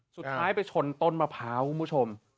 สุดท้ายไปชนต้นมะพร้าวคุณผู้ชม